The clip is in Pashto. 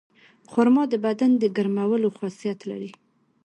خرما د بدن د ګرمولو خاصیت لري.